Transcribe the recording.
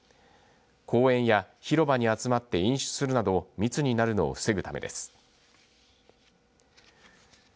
公園や広場に集まって飲酒するなど密になるのを防ぐためです。